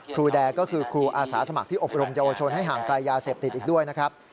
แดก็คือครูอาสาสมัครที่อบรมเยาวชนให้ห่างไกลยาเสพติดอีกด้วยนะครับ